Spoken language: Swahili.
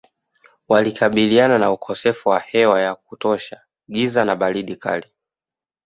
Walikabiliana na ukosefu wa hewa ya kutosha giza na baridi kali